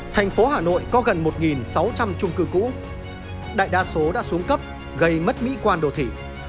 thành phố hà nội có gần một sáu trăm linh trung cư cũ đại đa số đã xuống cấp gây mất mỹ quan đồ thị